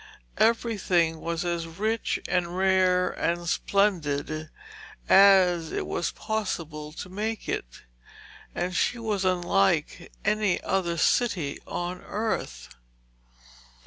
Everything was as rich and rare and splendid as it was possible to make it, and she was unlike any other city on earth.